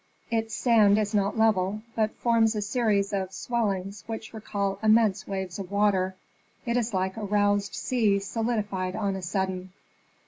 Its sand is not level, but forms a series of swellings which recall immense waves of water. It is like a roused sea solidified on a sudden.